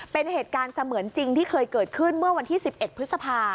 เป็นเหตุการณ์เสมือนจริงที่เคยเกิดขึ้นเมื่อวันที่๑๑พฤษภา